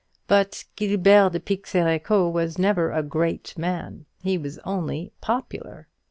But Guilbert de Pixérécourt was never a great man; he was only popular.